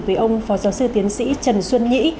với ông phó giáo sư tiến sĩ trần xuân nhí